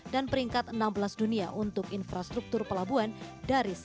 dan peringkat enam belas dunia untuk infrastruktur pelabuhan dari satu ratus empat puluh delapan persen